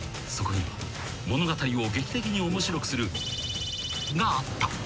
［そこには物語を劇的に面白くするがあった］